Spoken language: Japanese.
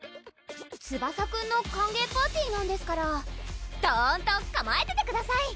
ツバサくんの歓迎パーティーなんですからどんとかまえててください！